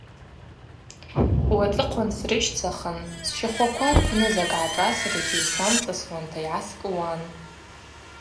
Уацӏыхъван срыщцахын – сщахваква рпны закӏ гӏашӏасыргьи самцӏасуанта йгӏаскӏуан.